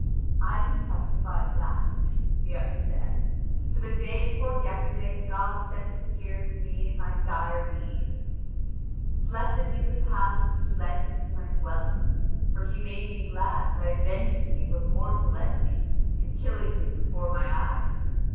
"I can testify to that," the other said: "for the day before yesterday God sent him here to me in my dire need. Blessed be the paths which led him to my dwelling. For he made me glad by avenging me of a mortal enemy and killing him before my eyes.